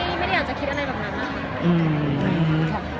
แต่ชั้นไม่อยากจะคิดอะไรแบบนั้นน่ะ